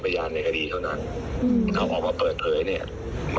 อย่างไรล่ะครับ